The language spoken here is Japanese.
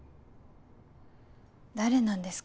誰なんですか？